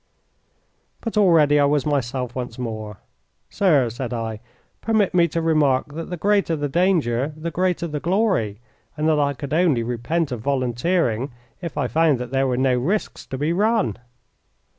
But already I was myself once more. "Sir," said I, "permit me to remark that the greater the danger the greater the glory, and that I could only repent of volunteering if I found that there were no risks to be run."